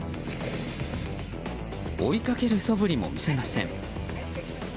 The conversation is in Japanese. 追いかけるそぶりも見せません。